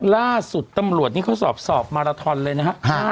ล่าสุดตำรวจนี่เขาสอบสอบมาราทอนเลยนะฮะ